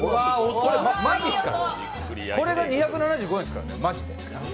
これが２７５円ですからね、マジで。